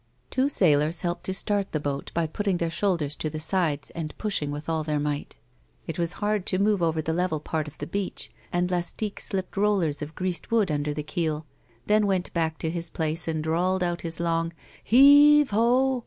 Two sailors helped to start the boat, by puttingtheir should ers to the sides and pushing with all tlicir might. It was A WOMAN'S LIFE. 33 hard to move over the level part of the beach, and Lastique slipped rollers of greased wood under the keel, then went back to his place and drawled out his long " Heave oh !